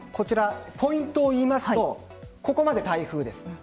ポイントを見てみますとここまで台風です。